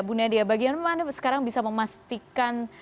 bagaimana sekarang bisa memastikan